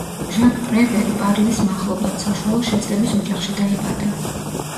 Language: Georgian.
ჟაკ პრევერი პარიზის მახლობლად, საშუალო შეძლების ოჯახში დაიბადა.